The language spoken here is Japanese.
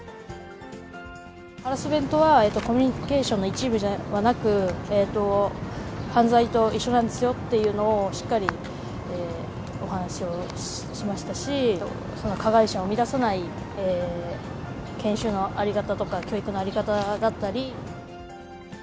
ハラスメントはコミュニケーションの一部ではなく、犯罪と一緒なんですよっていうのをしっかりお話をしましたし、加害者を生み出さない研修の在り方とか、教育の在り方だったり。